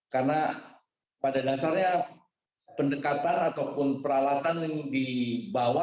karena pada dasarnya pendekatan ataupun peralatan yang dibawa